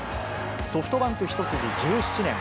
ソフトバンク一筋１７年。